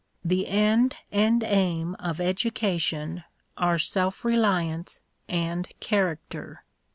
The end and aim of education are self reliance and character.